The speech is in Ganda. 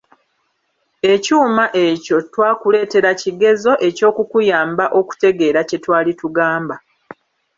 Ekyuma ekyo twakuleetera kigezo eky'okukuyamba okutegeera kye twali tugamba.